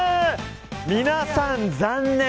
皆さん、残念。